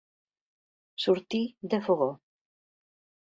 Sortir de fogó.